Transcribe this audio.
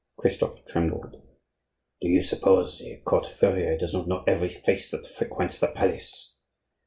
Christophe trembled. "Do you suppose the court furrier does not know every face that frequents the palace?